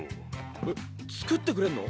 えっ作ってくれんの？